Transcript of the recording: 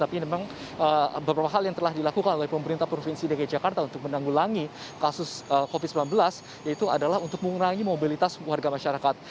tapi memang beberapa hal yang telah dilakukan oleh pemerintah provinsi dki jakarta untuk menanggulangi kasus covid sembilan belas yaitu adalah untuk mengurangi mobilitas warga masyarakat